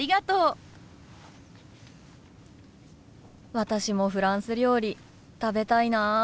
私もフランス料理食べたいな。